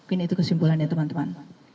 mungkin itu kesimpulannya teman teman